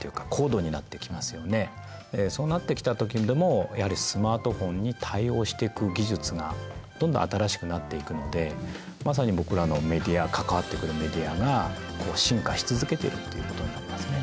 そうなってきた時にでもやはりスマートフォンに対応していく技術がどんどん新しくなっていくのでまさに僕らのメディア関わってくるメディアが進化し続けているっていうことになりますね。